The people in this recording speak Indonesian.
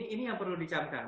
ini yang perlu dicamkan